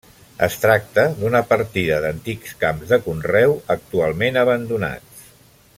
Es tracta d'una partida d'antics camps de conreu, actualment abandonats.